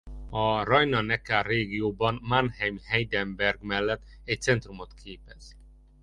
A Rajna-Neckar régióban Mannheim Heidelberg mellett egy centrumot képez.